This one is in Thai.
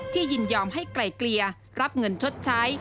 ยินยอมให้ไกลเกลียรับเงินชดใช้